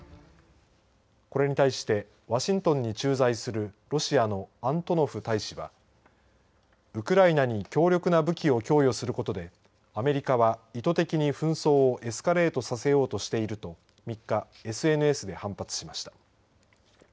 これに対してワシントンに駐在するロシアのアントノフ大使はウクライナに強力な武器を供与することでアメリカは意図的に紛争をエスカレートさせようとしていると３日、ＳＮＳで反発しました。